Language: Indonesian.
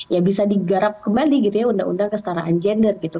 ya bisa digarap kembali gitu ya undang undang kestaraan gender gitu